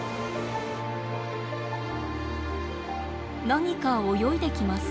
何か泳いできます。